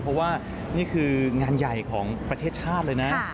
เพราะว่านี่คืองานใหญ่ของประเทศชาติเลยนะ